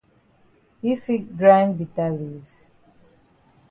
Yi fit grind bitter leaf?